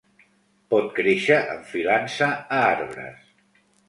Pot créixer enfilant-se a arbres.